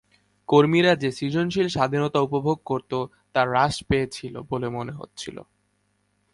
কর্মীরা যে-সৃজনশীল স্বাধীনতা উপভোগ করত, তা হ্রাস পেয়েছিল বলে মনে হয়েছিল।